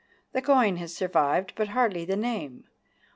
The coin has survived, but hardly the name.